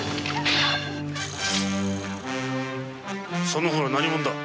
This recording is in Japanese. その方ら何者だ！？